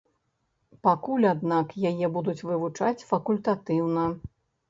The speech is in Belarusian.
Пакуль, аднак, яе будуць вывучаць факультатыўна.